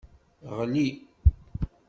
Ɣli.